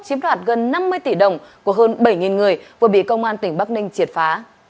chiếm đoạt gần năm mươi tỷ đồng của hơn bảy người vừa bị công an tỉnh bắc ninh triệt phá